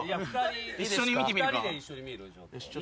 一緒に見てみるか。